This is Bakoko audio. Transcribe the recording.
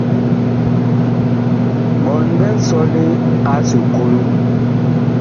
Bɔɔn big sɔle a esuklu.